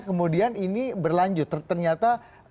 kemudian ini berlanjut ternyata